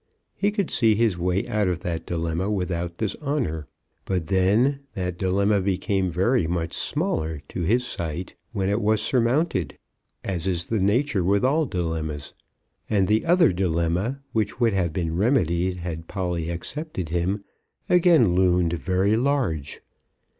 He could see his way out of that dilemma without dishonour. But then that dilemma became very much smaller to his sight when it was surmounted, as is the nature with all dilemmas; and the other dilemma, which would have been remedied had Polly accepted him, again loomed very large.